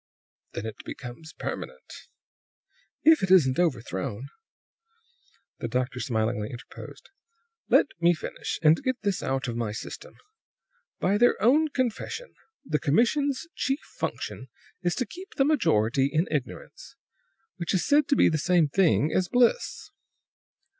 "Then it becomes permanent." "If it isn't overthrown." The doctor smilingly interposed. "Let me finish and get this out of my system. By their own confession, the commission's chief function is to keep the majority in ignorance, which is said to be the same thing as bliss.